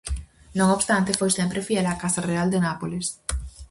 Non obstante, foi sempre fiel á Casa Real de Nápoles.